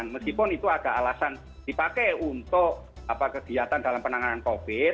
meskipun itu agak alasan dipakai untuk kegiatan dalam penanganan covid sembilan belas